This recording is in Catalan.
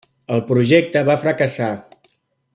El projecte va fracassar.